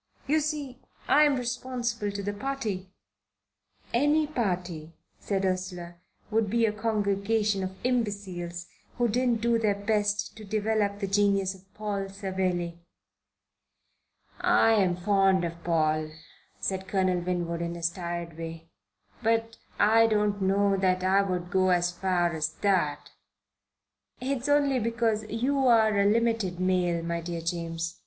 You see, I'm responsible to the party." "Any party," said Ursula, "would be a congregation of imbeciles who didn't do their best to develop the genius of Paul Savelli." "I'm fond of Paul," said Colonel Winwood, in his tired way, "but I don't know that I would go as far as that." "It's only because you're a limited male, my dear James.